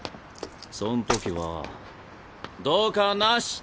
そんときは同化はなし！